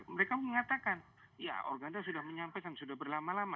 mereka mengatakan ya organda sudah menyampaikan sudah berlama lama